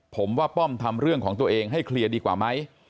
ผมว่าป้อมทำเรื่องของตัวเองให้เคลียร์ดีกว่าไหม